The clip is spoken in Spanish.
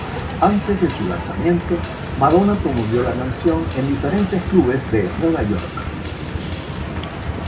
Antes de su lanzamiento, Madonna promovió la canción en diferentes clubes de Nueva York.